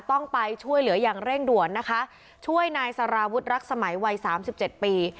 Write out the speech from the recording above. ต้องไปช่วยเหลืออย่างเร่งด่วนนะคะช่วยนายสารวุฒิรักสมัยวัยสามสิบเจ็ดปี